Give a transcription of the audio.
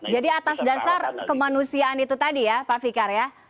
jadi atas dasar kemanusiaan itu tadi ya pak fikar ya